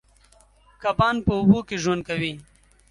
کبان په اوبو کې ژوند کوي.